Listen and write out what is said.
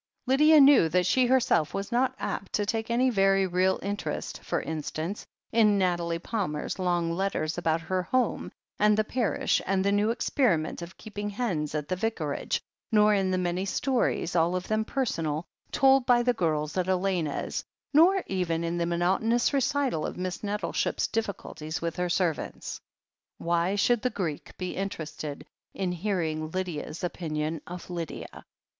Lydia knew that she herself was not apt to take any very real interest, for instance, in Nathalie Palmer's long letters about her home, and the parish, and the new experiment of keeping hens at the vicarage, nor in the many stories, all of them personal, told by the girls at Elena's, nor even in the monotonous recital of Miss Nettleship's difficulties with her servants. Why should the Greek be interested in hearing Lydia's opinion of Lydia?